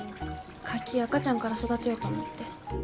カキ赤ちゃんから育てようと思って。